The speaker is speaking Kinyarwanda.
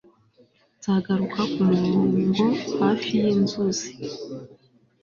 nzagaruka kumurongo hafi yinzuzi